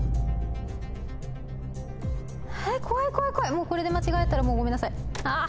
もうこれで間違えたらごめんなさいあぁ！